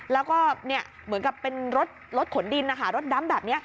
แล้วก็เหมือนกับเป็นรถขนดินนะคะรถดำแบบนี้